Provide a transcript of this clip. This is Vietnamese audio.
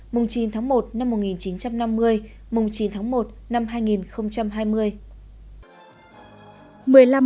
mùng chín tháng một năm một nghìn chín trăm năm mươi mùng chín tháng một năm hai nghìn hai mươi